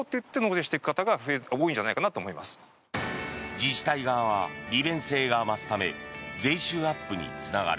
自治体側は利便性が増すため税収アップにつながる。